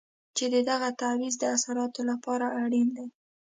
چې د دغه تعویض د اثراتو لپاره اړین دی.